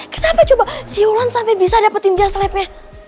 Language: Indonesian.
kenapa coba siulan sampe bisa dapetin jazz labnya